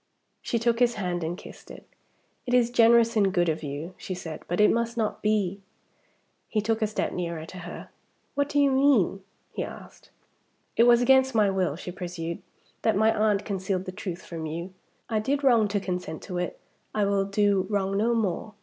She took his hand, and kissed it. "It is generous and good of you," she said; "but it must not be." He took a step nearer to her. "What do you mean?" he asked. "It was against my will," she pursued, "that my aunt concealed the truth from you. I did wrong to consent to it, I will do wrong no more.